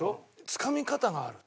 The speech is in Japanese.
つかみ方がある。